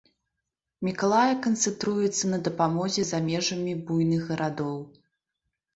Мікалая канцэнтруецца на дапамозе за межамі буйных гарадоў.